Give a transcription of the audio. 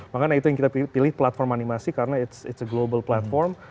makanya itu yang kita pilih platform animasi karena it's a global platform